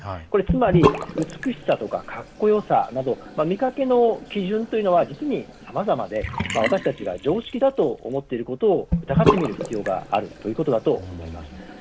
これ、つまり美しさとか、かっこよさなど見かけの基準というのは実にさまざまで私たちが常識だと思っていることを疑ってみる必要があるということだと思います。